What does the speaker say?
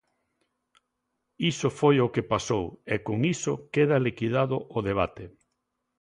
Iso foi o que pasou e con iso queda liquidado o debate.